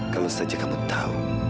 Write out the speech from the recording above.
kalau saja kamu tahu